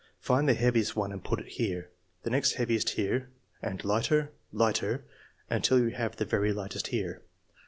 Find the heaviest one and put it here, the next heaviest here, and lighter, lighter, until you have the very lightest here.